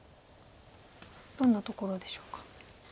どんなところでしょうか？